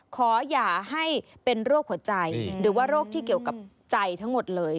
ขออย่าให้เป็นโรคหัวใจหรือว่าโรคที่เกี่ยวกับใจทั้งหมดเลย